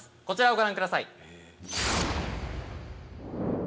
こちらをご覧ください。